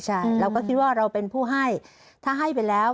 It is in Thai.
ใช่เราก็คิดว่าเราเป็นผู้ให้ถ้าให้ไปแล้ว